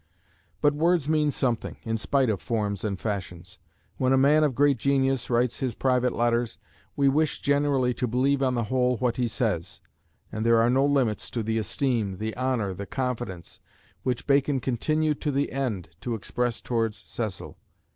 But words mean something, in spite of forms and fashions. When a man of great genius writes his private letters, we wish generally to believe on the whole what he says; and there are no limits to the esteem, the honour, the confidence, which Bacon continued to the end to express towards Cecil.